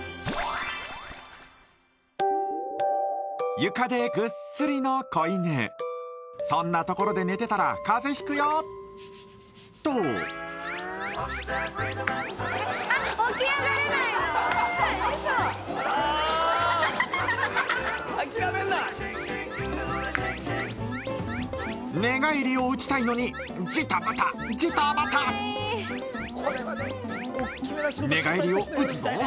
床でぐっすりの子犬そんなところで寝てたら風邪ひくよと寝返りを打ちたいのにジタバタジタバタ「寝返りを打つぞ」